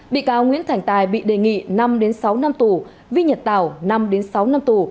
bị cáo nguyễn thành tài bị đề nghị năm sáu năm tù vi nhật tảo năm sáu năm tù